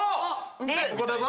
でここだぞ。